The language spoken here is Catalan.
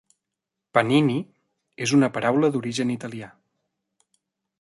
"Panini" és una paraula d'origen italià.